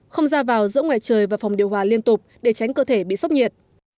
không ra vào giữa ngoài trời và phòng điều hòa liên tục để tránh cơ thể bị sốc nhiệt